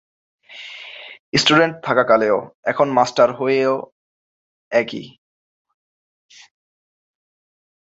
Student থাকাকালেও, এখন master হয়েই একই?